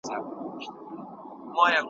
خو دومــره راته ووایه جانانـه چې زه ستا یم